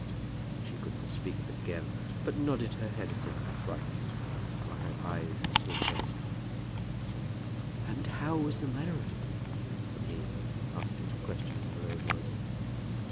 She could not speak of it again, but nodded her head at him thrice, while her eyes were still closed. "And how was the manner of it?" said he, asking the question in a low voice.